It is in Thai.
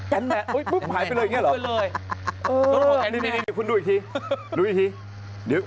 หายไปเลยอย่างนี้หรอ